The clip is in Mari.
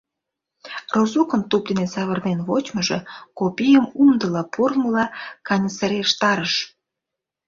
Розукын туп дене савырнен вочмыжо Копийым умдыла пурлмыла каньысырештарыш.